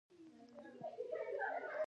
احمد؛ علي ته ورغاړه وت.